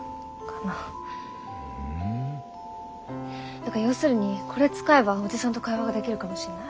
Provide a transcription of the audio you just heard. だから要するにこれ使えばおじさんと会話ができるかもしれない。